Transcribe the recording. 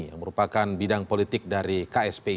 yang merupakan bidang politik dari kspi